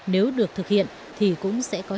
nếu được thực hiện thì cũng sẽ có